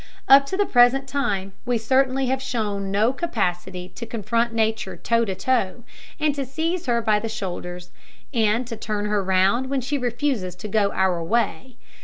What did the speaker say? Up to the present time we certainly have shown no capacity to confront Nature toe to toe, and to seize her by the shoulders and turn her round when she refuses to go our way.